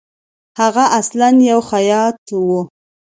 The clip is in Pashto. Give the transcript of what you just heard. هغه اصلاً یو خیاط وو.